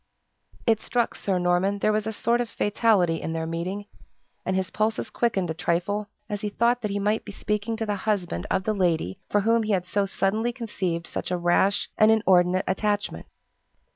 It struck Sir Norman there was a sort of fatality in their meeting; and his pulses quickened a trifle, as he thought that he might be speaking to the husband of the lady for whom he had so suddenly conceived such a rash and inordinate attachment.